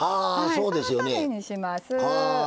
そのためにします。